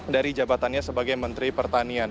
dari jabatannya sebagai menteri pertanian